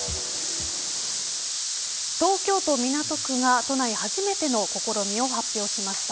東京都港区が都内初めての試みを発表しました。